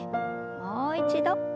もう一度。